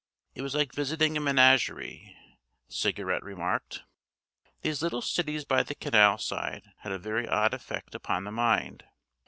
It was like visiting a menagerie, the Cigarette remarked. These little cities by the canal side had a very odd effect upon the mind.